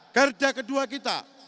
garda kedua kita